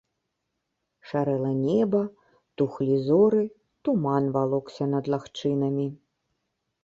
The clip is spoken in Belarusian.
Шарэла неба, тухлі зоры, туман валокся над лагчынамі.